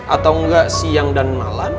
atau enggak siang dan malam